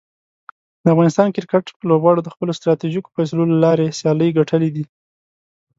د افغانستان کرکټ لوبغاړو د خپلو ستراتیژیکو فیصلو له لارې سیالۍ ګټلي دي.